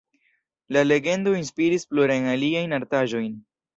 La legendo inspiris plurajn aliajn artaĵojn.